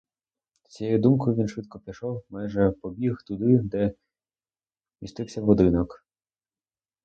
З цією думкою він швидко пішов, майже побіг туди, де містився будинок.